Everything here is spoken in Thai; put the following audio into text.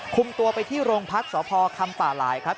คุมตัวไปที่โรงพักศาสตร์พอคำป่าลายครับ